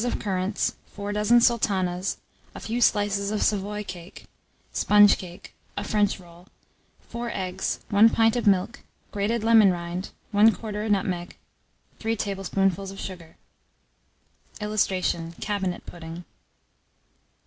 of currants, 4 dozen sultanas, a few slices of Savoy cake, sponge cake, a French roll, 4 eggs, 1 pint of milk, grated lemon rind, 1/4 nutmeg, 3 table spoonfuls of sugar. [Illustration: CABINET PUDDING.